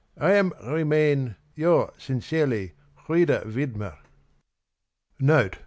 " I am remain, " Your sincerely, " Frieda Widmer." Note.